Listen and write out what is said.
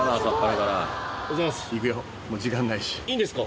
いいんですか？